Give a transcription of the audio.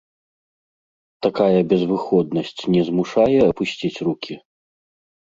Такая безвыходнасць не змушае апусціць рукі?